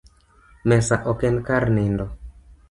Mesa ok en kar nindo